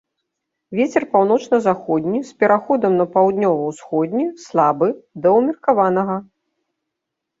Вецер паўночна-заходні з пераходам на паўднёва-ўсходні слабы да ўмеркаванага.